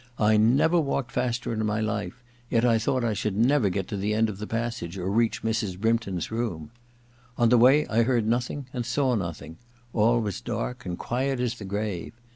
I never walked faster in my life, yet I thought I should never get to the end of the passage or reach Mrs. Brympton's room. On the way I heard nothing and saw nothing : all was dark and quiet as the grave.